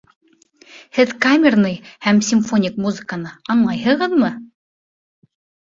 Һеҙ камерный һәм симфоник музыканы аңлайһығыҙмы?